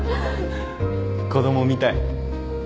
子供みたい。